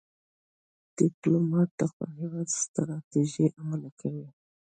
ډيپلومات د خپل هېواد ستراتیژۍ عملي کوي.